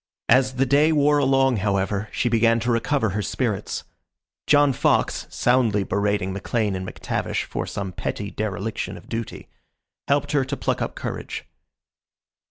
As the day wore along, however, she began to recover her spirits. John Fox, soundly berating McLean and McTavish for some petty dereliction of duty, helped her to pluck up courage.